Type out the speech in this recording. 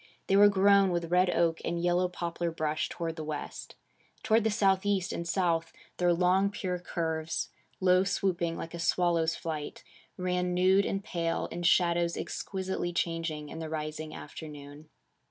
They were grown with red oak and yellow poplar brush toward the west. Toward the southeast and south their long pure curves, low swooping like a swallow's flight, ran nude and pale, in shadows exquisitely changing in the rising afternoon.